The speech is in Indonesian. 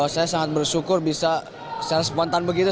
saya sangat bersyukur bisa secara spontan begitu